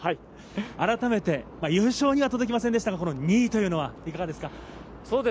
改めて優勝には届きませんでしたが、２位というのはいかがですか？